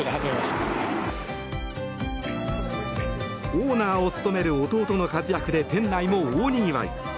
オーナーを務める弟の活躍で店内も大にぎわい。